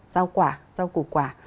rau quả rau củ quả